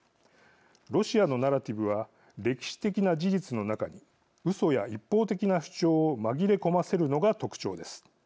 ロシアのナラティブは歴史的な事実の中にうそや一方的な主張を紛れ込ませるのが特徴です。